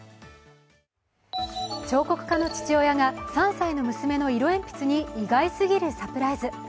彫刻家の父親が３歳の娘の色鉛筆に意外すぎるサプライズ。